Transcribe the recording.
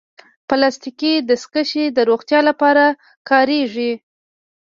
پلاستيکي دستکشې د روغتیا لپاره کارېږي.